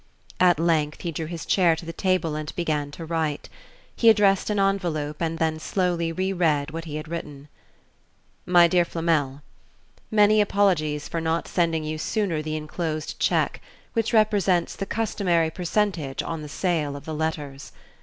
At length he drew his chair to the table and began to write. He addressed an envelope and then slowly re read what he had written. "MY DEAR FLAMEL," "Many apologies for not sending you sooner the enclosed check, which represents the customary percentage on the sale of the Letters."